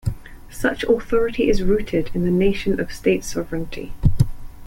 Such authority is rooted in the notion of state sovereignty.